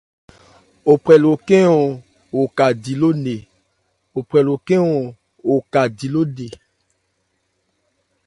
Wo phrɛ lo khɛ́n-ɔn wo ka di ló-nne.